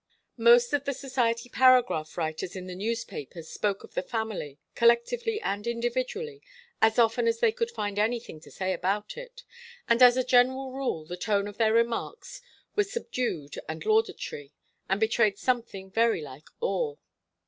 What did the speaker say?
Most of the society paragraph writers in the newspapers spoke of the family, collectively and individually, as often as they could find anything to say about it, and as a general rule the tone of their remarks was subdued and laudatory, and betrayed something very like awe.